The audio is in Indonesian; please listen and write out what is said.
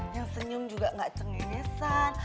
yang senyum juga gak cenginesan